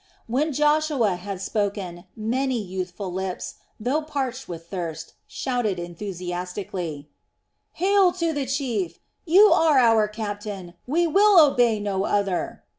When Joshua had spoken, many youthful lips, though parched with thirst, shouted enthusiastically: "Hail to the chief! You are our captain; we will obey no other."